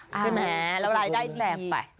ใช่ไหมรายได้ดี